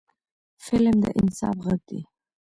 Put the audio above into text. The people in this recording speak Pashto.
فلم د انصاف غږ دی